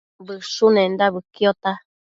Bëshunenda bëquiota